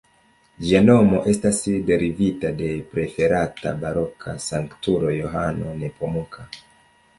Ĝia nomo estas derivita de preferata baroka sanktulo Johano Nepomuka.